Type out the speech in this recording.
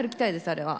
あれは。